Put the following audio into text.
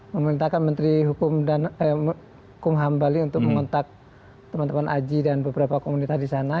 memerintahkan menteri hukum dan kumham bali untuk mengontak teman teman aji dan beberapa komunitas di sana